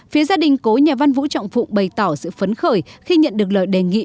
phía gia đình cố nhà văn vũ trọng phụng bày tỏ sự phấn khởi khi nhận được lời đề nghị